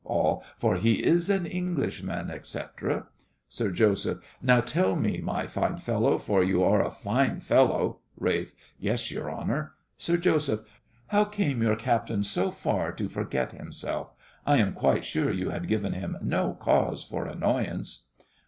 ALL. For he is an Englishman, etc. SIR JOSEPH. Now, tell me, my fine fellow—for you are a fine fellow— RALPH. Yes, your honour. SIR JOSEPH. How came your captain so far to forget himself? I am quite sure you had given him no cause for annoyance.